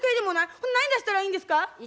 ほな何出したらいいんですか？